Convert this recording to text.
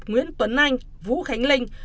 nguyễn tuấn anh vũ khánh linh